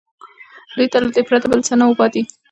دوی ته له دې پرته بل څه نه وو پاتې